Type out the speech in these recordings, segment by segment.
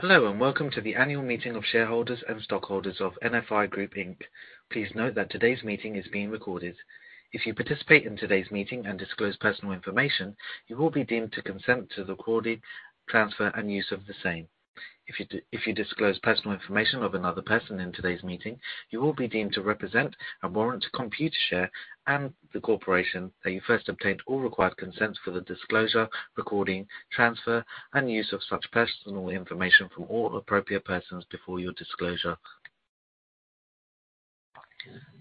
Hello and welcome to the annual meeting of shareholders and stockholders of NFI Group Inc. Please note that today's meeting is being recorded. If you participate in today's meeting and disclose personal information, you will be deemed to consent to the recording, transfer, and use of the same. If you disclose personal information of another person in today's meeting, you will be deemed to represent and warrant to Computershare and the corporation that you first obtained all required consents for the disclosure, recording, transfer, and use of such personal information from all appropriate persons before your disclosure.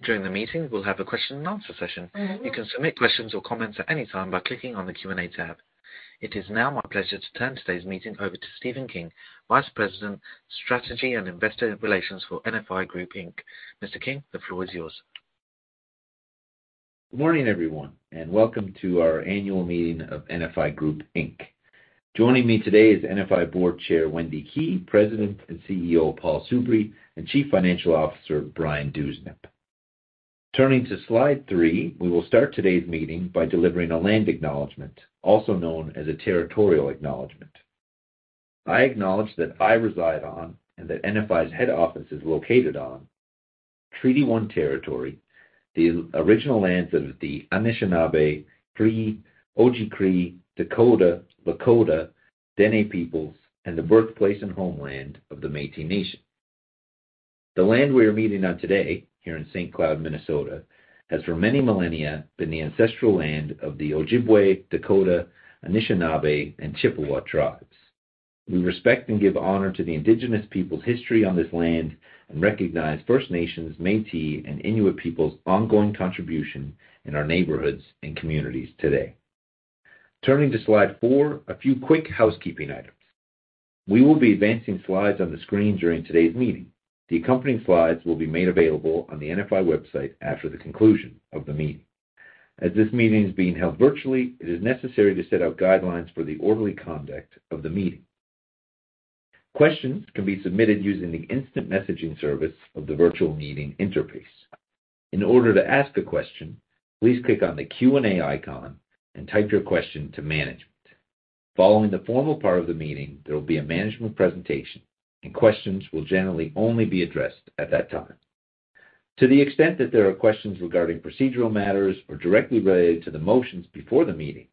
During the meeting, we'll have a question and answer session. You can submit questions or comments at any time by clicking on the Q&A tab. It is now my pleasure to turn today's meeting over to Stephen King, Vice President, Strategy and Investor Relations for NFI Group Inc. Mr. King, the floor is yours. Good morning, everyone, and welcome to our annual meeting of NFI Group Inc. Joining me today is NFI Board Chair Wendy Kei, President and CEO Paul Soubry, and Chief Financial Officer Brian Dewsnup. Turning to slide three, we will start today's meeting by delivering a land acknowledgment, also known as a territorial acknowledgment. I acknowledge that I reside on and that NFI's head office is located on Treaty One Territory, the original lands of the Anishinaabe, Cree, Oji-Cree, Dakota, Lakota, Dene Peoples, and the birthplace and homeland of the Métis Nation. The land we are meeting on today, here in St. Cloud, Minnesota, has for many millennia been the ancestral land of the Ojibwe, Dakota, Anishinaabe, and Chippewa tribes. We respect and give honor to the Indigenous people's history on this land and recognize First Nations, Métis, and Inuit people's ongoing contribution in our neighborhoods and communities today. Turning to slide four, a few quick housekeeping items. We will be advancing slides on the screen during today's meeting. The accompanying slides will be made available on the NFI website after the conclusion of the meeting. As this meeting is being held virtually, it is necessary to set out guidelines for the orderly conduct of the meeting. Questions can be submitted using the instant messaging service of the virtual meeting interface. In order to ask a question, please click on the Q&A icon and type your question to management. Following the formal part of the meeting, there will be a management presentation, and questions will generally only be addressed at that time. To the extent that there are questions regarding procedural matters or directly related to the motions before the meeting,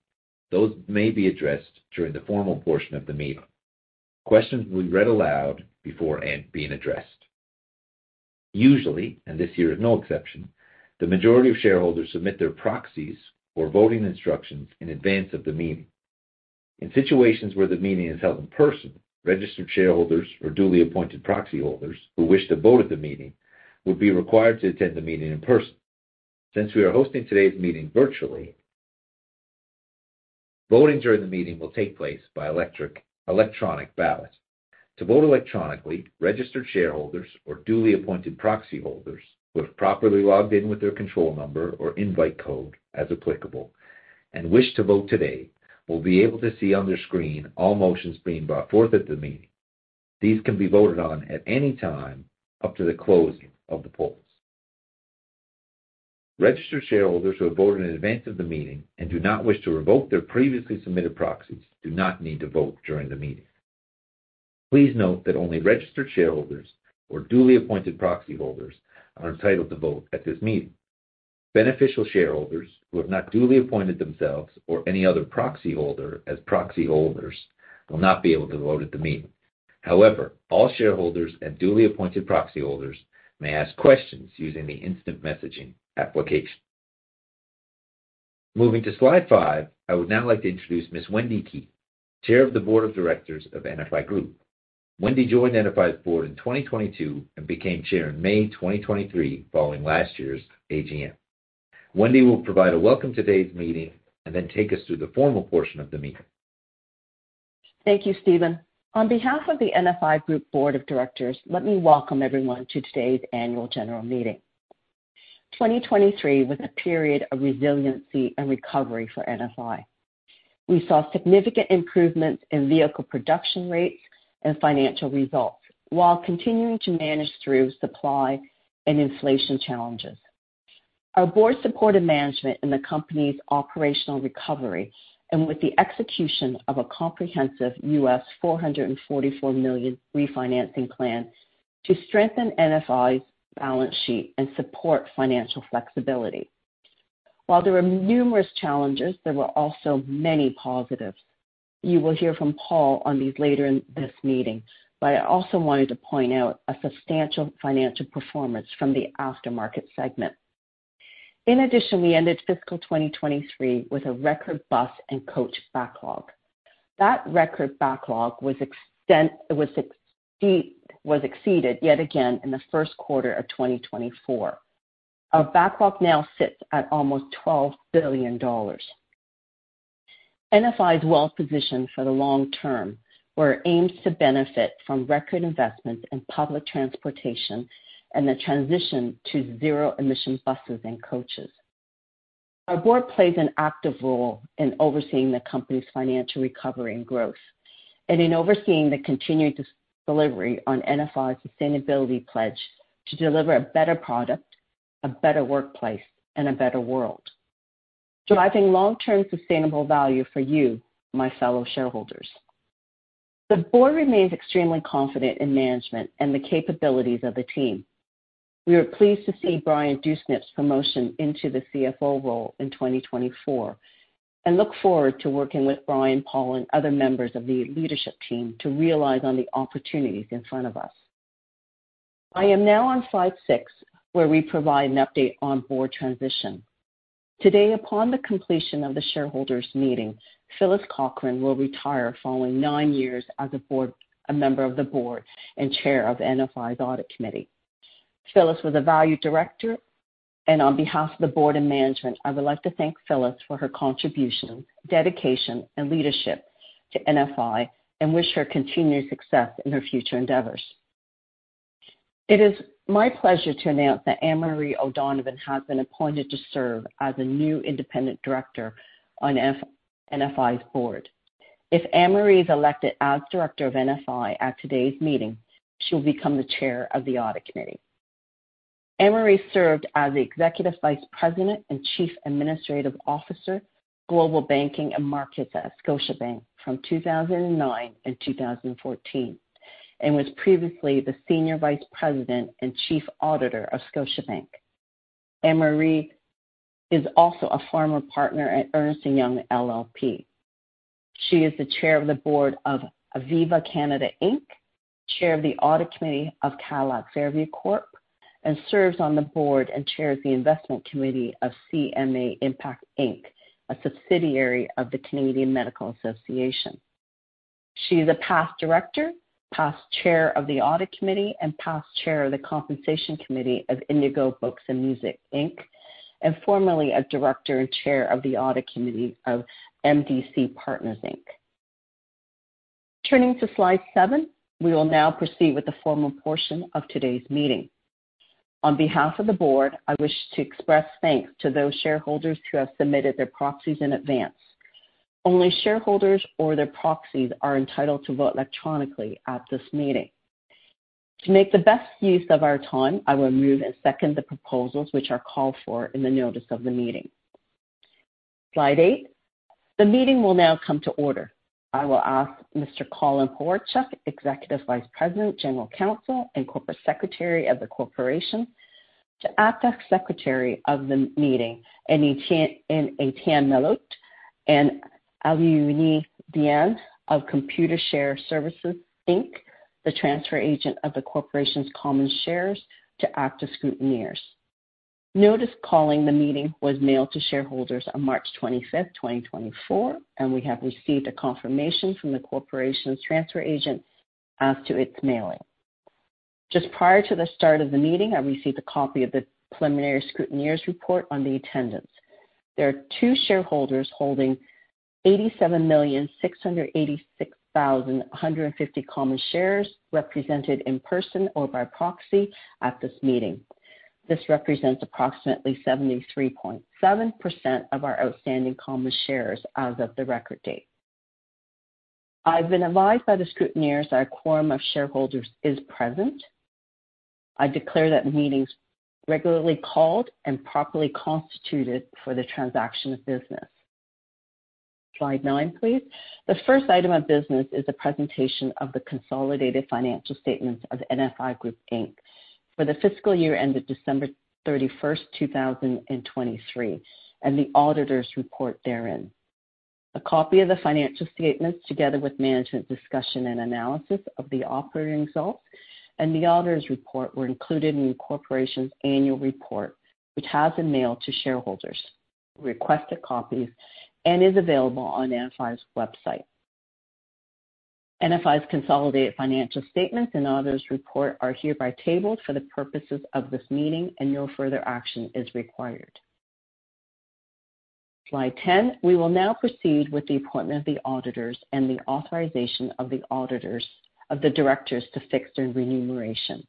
those may be addressed during the formal portion of the meeting. Questions will be read aloud before being addressed. Usually, and this year is no exception, the majority of shareholders submit their proxies or voting instructions in advance of the meeting. In situations where the meeting is held in person, registered shareholders or duly appointed proxy holders who wish to vote at the meeting would be required to attend the meeting in person. Since we are hosting today's meeting virtually, voting during the meeting will take place by electronic ballot. To vote electronically, registered shareholders or duly appointed proxy holders who have properly logged in with their control number or invite code, as applicable, and wish to vote today will be able to see on their screen all motions being brought forth at the meeting. These can be voted on at any time up to the closing of the polls. Registered shareholders who have voted in advance of the meeting and do not wish to revoke their previously submitted proxies do not need to vote during the meeting. Please note that only registered shareholders or duly appointed proxy holders are entitled to vote at this meeting. Beneficial shareholders who have not duly appointed themselves or any other proxy holder as proxy holders will not be able to vote at the meeting. However, all shareholders and duly appointed proxy holders may ask questions using the instant messaging application. Moving to slide 5, I would now like to introduce Ms. Wendy Kei, Chair of the Board of Directors of NFI Group. Wendy joined NFI's board in 2022 and became chair in May 2023 following last year's AGM. Wendy will provide a welcome to today's meeting and then take us through the formal portion of the meeting. Thank you, Stephen. On behalf of the NFI Group Board of Directors, let me welcome everyone to today's annual general meeting. 2023 was a period of resiliency and recovery for NFI. We saw significant improvements in vehicle production rates and financial results while continuing to manage through supply and inflation challenges. Our board supported management in the company's operational recovery and with the execution of a comprehensive $444 million refinancing plan to strengthen NFI's balance sheet and support financial flexibility. While there were numerous challenges, there were also many positives. You will hear from Paul on these later in this meeting, but I also wanted to point out a substantial financial performance from the aftermarket segment. In addition, we ended fiscal 2023 with a record bus and coach backlog. That record backlog was exceeded yet again in the first quarter of 2024. Our backlog now sits at almost $12 billion. NFI is well positioned for the long term, where it aims to benefit from record investments in public transportation and the transition to zero-emission buses and coaches. Our board plays an active role in overseeing the company's financial recovery and growth, and in overseeing the continuing delivery on NFI's sustainability pledge to deliver a better product, a better workplace, and a better world, driving long-term sustainable value for you, my fellow shareholders. The board remains extremely confident in management and the capabilities of the team. We are pleased to see Brian Dewsnup's promotion into the CFO role in 2024 and look forward to working with Brian, Paul, and other members of the leadership team to realize the opportunities in front of us. I am now on slide six, where we provide an update on board transition. Today, upon the completion of the shareholders' meeting, Phyllis Cochran will retire following nine years as a member of the board and chair of NFI's audit committee. Phyllis was a valued director, and on behalf of the board and management, I would like to thank Phyllis for her contributions, dedication, and leadership to NFI and wish her continued success in her future endeavors. It is my pleasure to announce that Anne Marie O'Donovan has been appointed to serve as a new independent director on NFI's board. If Anne Marie is elected as director of NFI at today's meeting, she will become the chair of the audit committee. Anne Marie served as the Executive Vice President and Chief Administrative Officer, Global Banking and Markets at Scotiabank from 2009 and 2014, and was previously the Senior Vice President and Chief Auditor of Scotiabank. Anne Marie is also a former partner at Ernst & Young LLP. She is the chair of the board of Aviva Canada Inc., chair of the audit committee of Cadillac Fairview Corp., and serves on the board and chairs the investment committee of CMA Impact Inc., a subsidiary of the Canadian Medical Association. She is a past director, past chair of the audit committee, and past chair of the compensation committee of Indigo Books and Music Inc., and formerly a director and chair of the audit committee of MDC Partners Inc. Turning to slide seven, we will now proceed with the formal portion of today's meeting. On behalf of the board, I wish to express thanks to those shareholders who have submitted their proxies in advance. Only shareholders or their proxies are entitled to vote electronically at this meeting. To make the best use of our time, I will move and second the proposals, which are called for in the notice of the meeting. Slide eight. The meeting will now come to order. I will ask Mr. Colin Pewarchuk, Executive Vice President, General Counsel, and Corporate Secretary of the Corporation, to act as Secretary of the meeting and Etienne Mailhot and Aliwuni Diane of Computershare, the transfer agent of the Corporation's Common Shares, to act as scrutineers. Notice calling the meeting was mailed to shareholders on March 25th, 2024, and we have received a confirmation from the Corporation's transfer agent as to its mailing. Just prior to the start of the meeting, I received a copy of the preliminary scrutineers' report on the attendance. There are two shareholders holding 87,686,150 Common Shares represented in person or by proxy at this meeting. This represents approximately 73.7% of our outstanding Common Shares as of the record date. I've been advised by the scrutineers that a quorum of shareholders is present. I declare that the meeting's regularly called and properly constituted for the transaction of business. Slide nine, please. The first item of business is the presentation of the consolidated financial statements of NFI Group, Inc., for the fiscal year ended December 31st, 2023, and the auditor's report therein. A copy of the financial statements together with management discussion and analysis of the operating results and the auditor's report were included in the Corporation's annual report, which has been mailed to shareholders, requested copies, and is available on NFI's website. NFI's consolidated financial statements and auditor's report are hereby tabled for the purposes of this meeting, and no further action is required. Slide 10. We will now proceed with the appointment of the auditors and the authorization of the directors to fix their remuneration.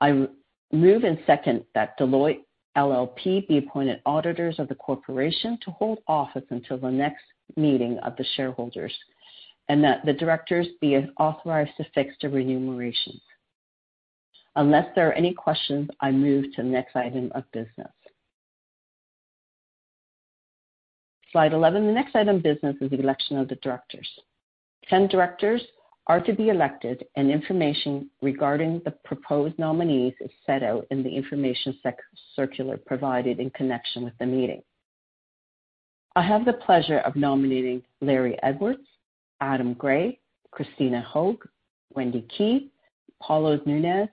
I move and second that Deloitte LLP be appointed auditors of the Corporation to hold office until the next meeting of the shareholders, and that the directors be authorized to fix their remunerations. Unless there are any questions, I move to the next item of business. Slide 11. The next item of business is the election of the directors. 10 directors are to be elected, and information regarding the proposed nominees is set out in the information circular provided in connection with the meeting. I have the pleasure of nominating Larry Edwards, Adam Gray, Krystyna Hoeg, Wendy Kei, Paulo Nunes,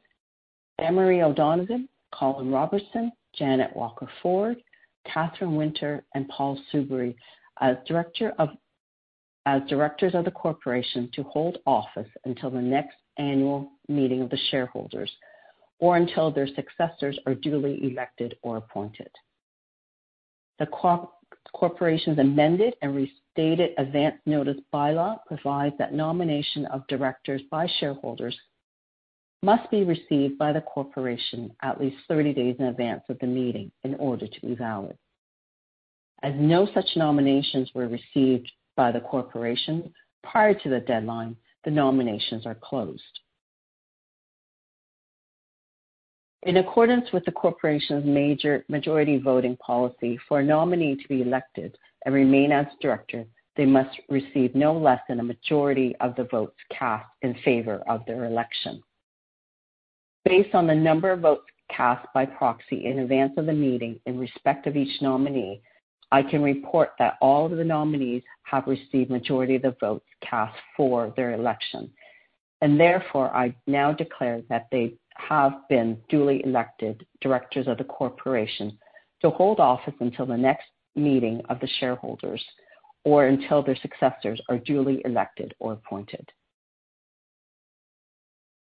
Anne Marie O'Donovan, Colin Robertson, Jannet Walker-Ford, Katherine Winter, and Paul Soubry as Directors of the Corporation to hold office until the next annual meeting of the shareholders or until their successors are duly elected or appointed. The Corporation's amended and restated advance notice bylaw provides that nomination of directors by shareholders must be received by the Corporation at least 30 days in advance of the meeting in order to be valid. As no such nominations were received by the Corporation prior to the deadline, the nominations are closed. In accordance with the Corporation's majority voting policy, for a nominee to be elected and remain as director, they must receive no less than a majority of the votes cast in favor of their election. Based on the number of votes cast by proxy in advance of the meeting in respect of each nominee, I can report that all of the nominees have received majority of the votes cast for their election, and therefore, I now declare that they have been duly elected directors of the Corporation to hold office until the next meeting of the shareholders or until their successors are duly elected or appointed.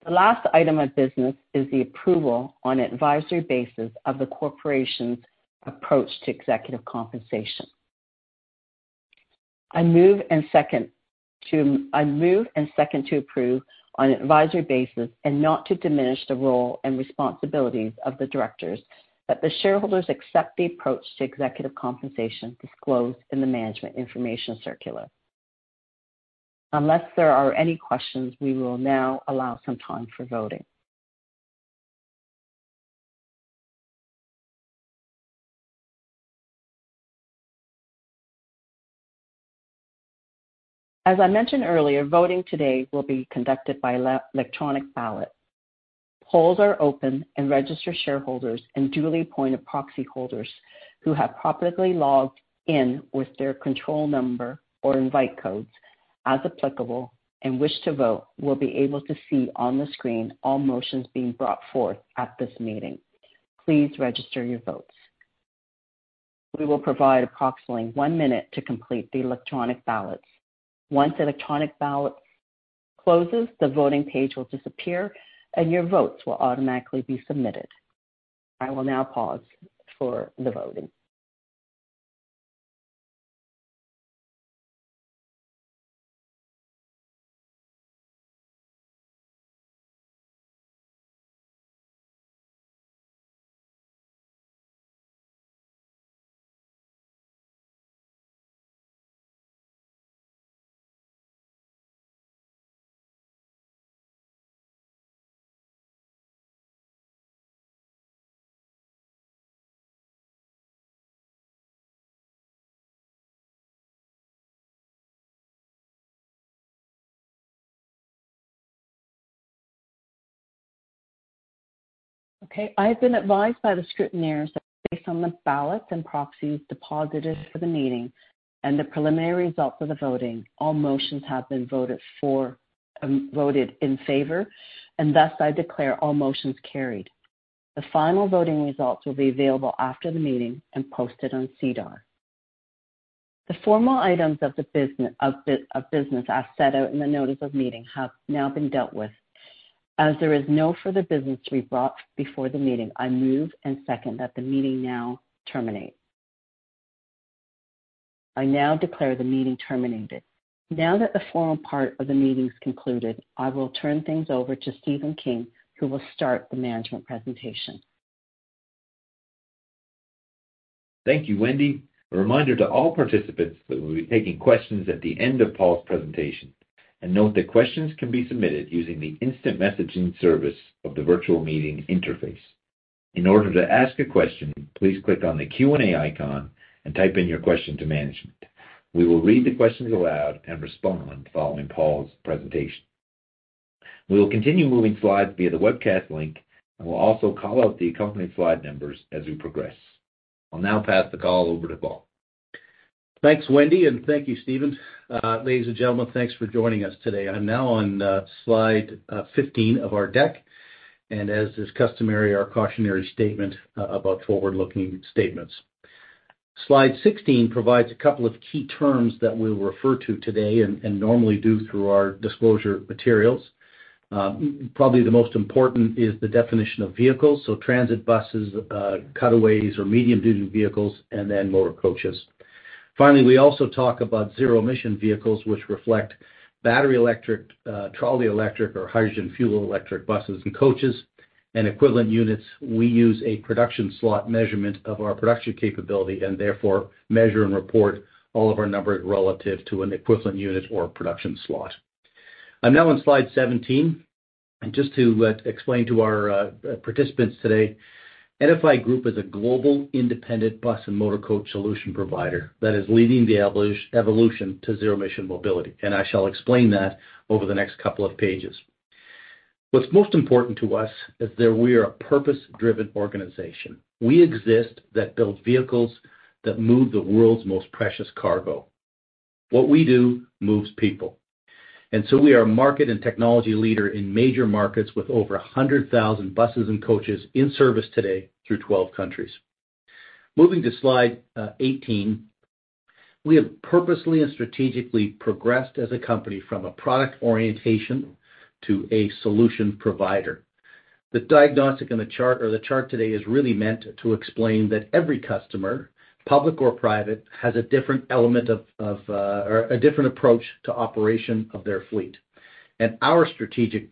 The last item of business is the approval on an advisory basis of the Corporation's approach to executive compensation. I move and second to approve on an advisory basis and not to diminish the role and responsibilities of the directors that the shareholders accept the approach to executive compensation disclosed in the management information circular. Unless there are any questions, we will now allow some time for voting. As I mentioned earlier, voting today will be conducted by electronic ballot. Polls are open, and registered shareholders and duly appointed proxy holders who have properly logged in with their control number or invite codes, as applicable, and wish to vote will be able to see on the screen all motions being brought forth at this meeting. Please register your votes. We will provide approximately one minute to complete the electronic ballots. Once the electronic ballot closes, the voting page will disappear, and your votes will automatically be submitted. I will now pause for the voting. Okay. I have been advised by the scrutineers that based on the ballots and proxies deposited for the meeting and the preliminary results of the voting, all motions have been voted in favor, and thus I declare all motions carried. The final voting results will be available after the meeting and posted on SEDAR. The formal items of business as set out in the notice of meeting have now been dealt with. As there is no further business to be brought before the meeting, I move and second that the meeting now terminate. I now declare the meeting terminated. Now that the formal part of the meeting's concluded, I will turn things over to Stephen King, who will start the management presentation. Thank you, Wendy. A reminder to all participants that we'll be taking questions at the end of Paul's presentation. Note that questions can be submitted using the instant messaging service of the virtual meeting interface. In order to ask a question, please click on the Q&A icon and type in your question to management. We will read the questions aloud and respond following Paul's presentation. We will continue moving slides via the webcast link, and we'll also call out the accompanying slide numbers as we progress. I'll now pass the call over to Paul. Thanks, Wendy, and thank you, Stephen. Ladies and gentlemen, thanks for joining us today. I'm now on slide 15 of our deck, and as is customary, our cautionary statement about forward-looking statements. Slide 16 provides a couple of key terms that we'll refer to today and normally do through our disclosure materials. Probably the most important is the definition of vehicles, so transit buses, cutaways, or medium-duty vehicles, and then motor coaches. Finally, we also talk about zero-emission vehicles, which reflect battery electric, trolley electric, or hydrogen fuel cell electric buses and coaches and equivalent units. We use a production slot measurement of our production capability and therefore measure and report all of our numbers relative to an equivalent unit or production slot. I'm now on slide 17. Just to explain to our participants today, NFI Group is a global independent bus and motor coach solution provider that is leading the evolution to zero-emission mobility, and I shall explain that over the next couple of pages. What's most important to us is that we are a purpose-driven organization. We exist to build vehicles that move the world's most precious cargo. What we do moves people. So we are a market and technology leader in major markets with over 100,000 buses and coaches in service today through 12 countries. Moving to slide 18, we have purposely and strategically progressed as a company from a product orientation to a solution provider. The diagnostic in the chart or the chart today is really meant to explain that every customer, public or private, has a different element of or a different approach to operation of their fleet. Our strategic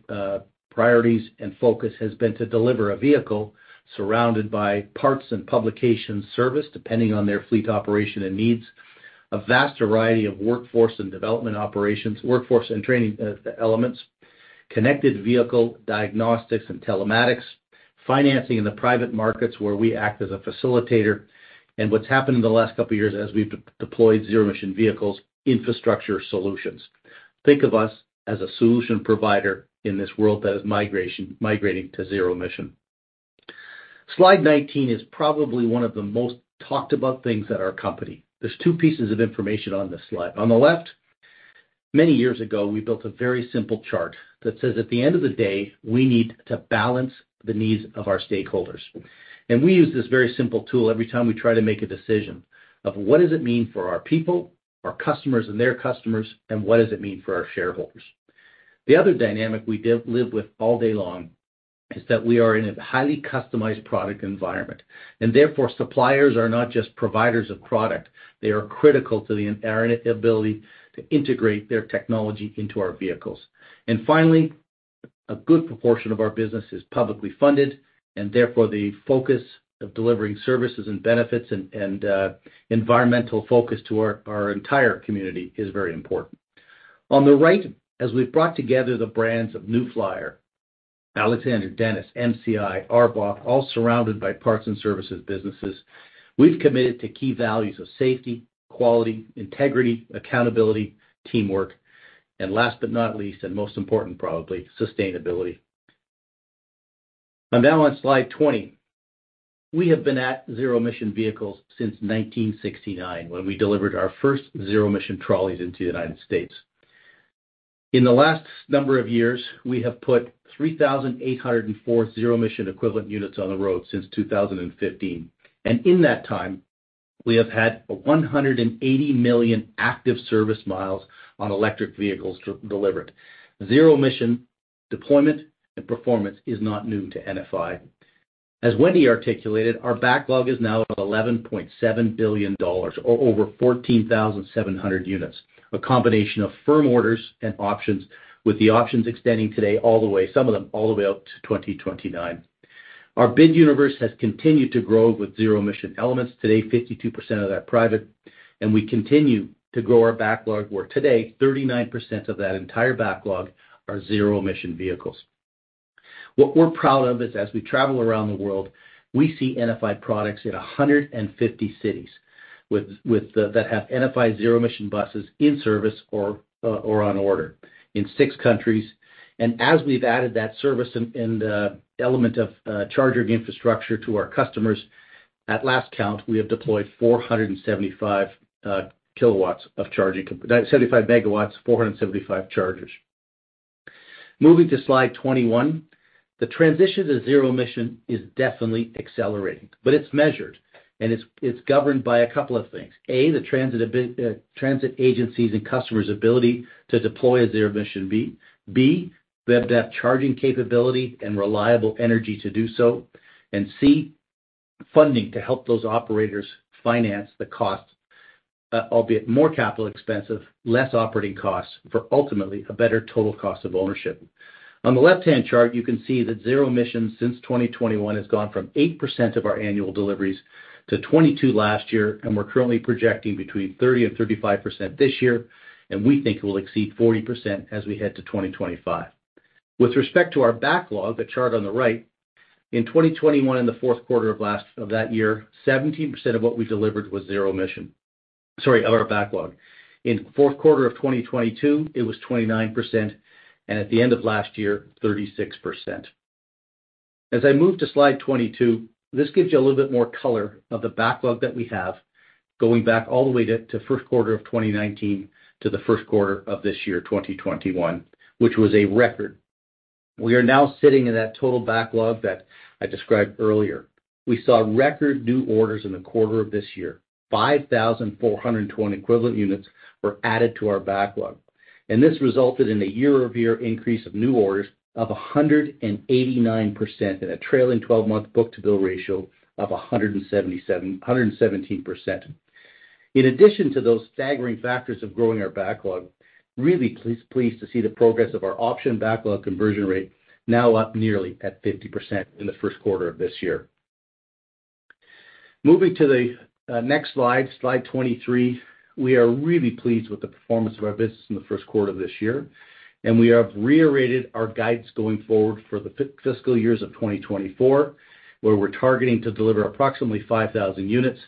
priorities and focus has been to deliver a vehicle surrounded by parts and publication service, depending on their fleet operation and needs, a vast variety of workforce and development operations, workforce and training elements, connected vehicle diagnostics and telematics, financing in the private markets where we act as a facilitator. And what's happened in the last couple of years as we've deployed zero-emission vehicles infrastructure solutions. Think of us as a solution provider in this world that is migrating to zero emission. Slide 19 is probably one of the most talked about things at our company. There's two pieces of information on this slide. On the left, many years ago, we built a very simple chart that says, "At the end of the day, we need to balance the needs of our stakeholders." We use this very simple tool every time we try to make a decision of what does it mean for our people, our customers, and their customers, and what does it mean for our shareholders? The other dynamic we live with all day long is that we are in a highly customized product environment, and therefore, suppliers are not just providers of product. They are critical to our ability to integrate their technology into our vehicles. Finally, a good proportion of our business is publicly funded, and therefore, the focus of delivering services and benefits and environmental focus to our entire community is very important. On the right, as we've brought together the brands of New Flyer, Alexander Dennis, MCI, ARBOC, all surrounded by parts and services businesses, we've committed to key values of safety, quality, integrity, accountability, teamwork, and last but not least, and most important probably, sustainability. I'm now on slide 20. We have been at zero-emission vehicles since 1969 when we delivered our first zero-emission trolleys into the United States. In the last number of years, we have put 3,804 zero-emission equivalent units on the road since 2015. And in that time, we have had 180 million active service miles on electric vehicles delivered. Zero-emission deployment and performance is not new to NFI. As Wendy articulated, our backlog is now of $11.7 billion or over 14,700 units, a combination of firm orders and options with the options extending today all the way some of them all the way out to 2029. Our bid universe has continued to grow with zero-emission elements. Today, 52% of that private, and we continue to grow our backlog where today, 39% of that entire backlog are zero-emission vehicles. What we're proud of is, as we travel around the world, we see NFI products in 150 cities that have NFI zero-emission buses in service or on order in six countries. And as we've added that service and element of charging infrastructure to our customers, at last count, we have deployed 475 kilowatts of charging 75 megawatts, 475 chargers. Moving to slide 21, the transition to zero-emission is definitely accelerating, but it's measured, and it's governed by a couple of things. A, the transit agencies and customers' ability to deploy a zero-emission; B, BEV depot charging capability and reliable energy to do so; and C, funding to help those operators finance the cost, albeit more capital expensive, less operating costs for ultimately a better total cost of ownership. On the left-hand chart, you can see that zero emissions since 2021 has gone from 8% of our annual deliveries to 22% last year, and we're currently projecting between 30%-35% this year, and we think it will exceed 40% as we head to 2025. With respect to our backlog, the chart on the right, in 2021 and the fourth quarter of that year, 17% of what we delivered was zero emission sorry, of our backlog. In fourth quarter of 2022, it was 29%, and at the end of last year, 36%. As I move to slide 22, this gives you a little bit more color of the backlog that we have going back all the way to first quarter of 2019 to the first quarter of this year, 2021, which was a record. We are now sitting in that total backlog that I described earlier. We saw record new orders in the quarter of this year. 5,420 equivalent units were added to our backlog, and this resulted in a year-over-year increase of new orders of 189% and a trailing 12-month book-to-bill ratio of 117%. In addition to those staggering factors of growing our backlog, really pleased to see the progress of our option backlog conversion rate now up nearly at 50% in the first quarter of this year. Moving to the next slide, Slide 23, we are really pleased with the performance of our business in the first quarter of this year, and we have reiterated our guides going forward for the fiscal years of 2024, where we're targeting to deliver approximately 5,000 units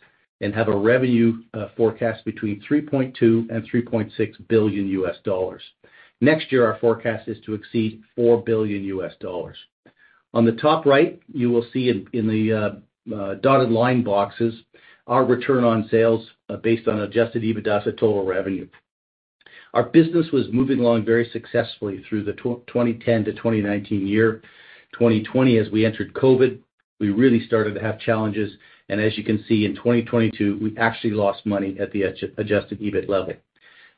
and have a revenue forecast between $3.2 billion-$3.6 billion. Next year, our forecast is to exceed $4 billion. On the top right, you will see in the dotted line boxes our return on sales based on Adjusted EBITDA as a total revenue. Our business was moving along very successfully through the 2010-2019 year. 2020, as we entered COVID, we really started to have challenges, and as you can see, in 2022, we actually lost money at the Adjusted EBIT level.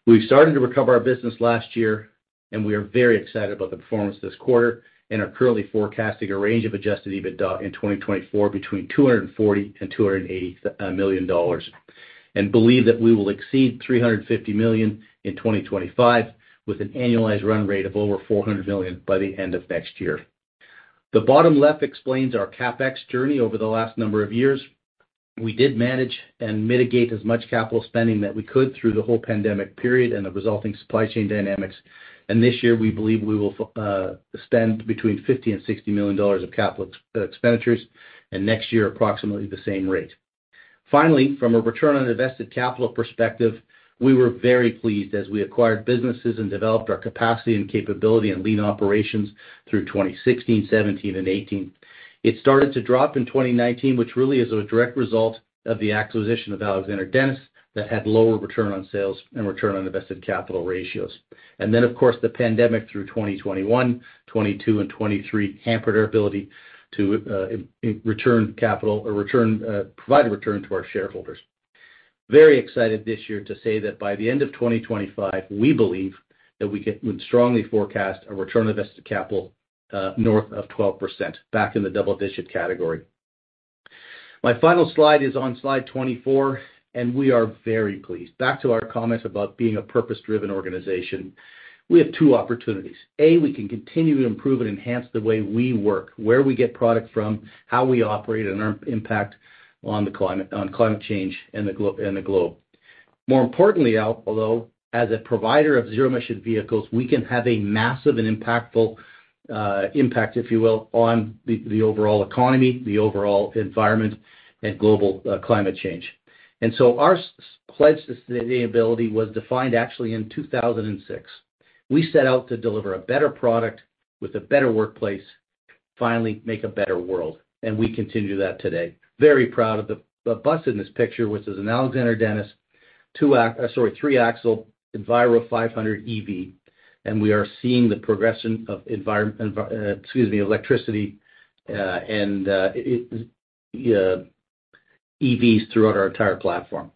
We've started to recover our business last year, and we are very excited about the performance this quarter and are currently forecasting a range of Adjusted EBITDA in 2024 between $240 million and $280 million and believe that we will exceed $350 million in 2025 with an annualized run rate of over $400 million by the end of next year. The bottom left explains our CapEx journey over the last number of years. We did manage and mitigate as much capital spending that we could through the whole pandemic period and the resulting supply chain dynamics. This year, we believe we will spend between $50 million and $60 million of capital expenditures, and next year, approximately the same rate. Finally, from a Return on Invested Capital perspective, we were very pleased as we acquired businesses and developed our capacity and capability and lean operations through 2016, 2017, and 2018. It started to drop in 2019, which really is a direct result of the acquisition of Alexander Dennis that had lower return on sales and return on invested capital ratios. Then, of course, the pandemic through 2021, 2022, and 2023 hampered our ability to return capital or provide a return to our shareholders. Very excited this year to say that by the end of 2025, we believe that we would strongly forecast a return on invested capital north of 12% back in the double-digit category. My final slide is on slide 24, and we are very pleased. Back to our comments about being a purpose-driven organization, we have two opportunities. A, we can continue to improve and enhance the way we work, where we get product from, how we operate, and our impact on climate change and the globe. More importantly, although, as a provider of zero-emission vehicles, we can have a massive and impactful impact, if you will, on the overall economy, the overall environment, and global climate change. And so our pledge to sustainability was defined actually in 2006. We set out to deliver a better product with a better workplace, finally make a better world, and we continue that today. Very proud of the bus in this picture, which is an Alexander Dennis sorry, three-axle Enviro500EV, and we are seeing the progression of environment excuse me, electricity and EVs throughout our entire platform.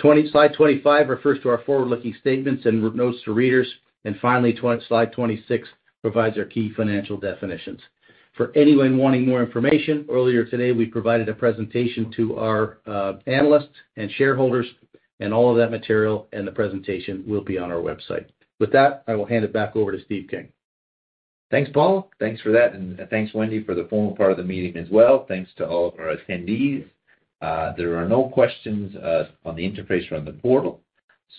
Slide 25 refers to our forward-looking statements and notes to readers, and finally, Slide 26 provides our key financial definitions. For anyone wanting more information, earlier today, we provided a presentation to our analysts and shareholders, and all of that material and the presentation will be on our website. With that, I will hand it back over to Stephen King. Thanks, Paul. Thanks for that, and thanks, Wendy, for the formal part of the meeting as well. Thanks to all of our attendees. There are no questions on the interface or on the portal.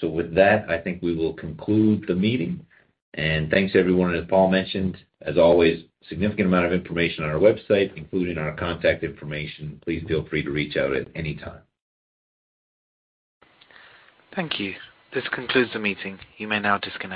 So with that, I think we will conclude the meeting. And thanks, everyone. As Paul mentioned, as always, a significant amount of information on our website, including our contact information. Please feel free to reach out at any time. Thank you. This concludes the meeting. You may now disconnect.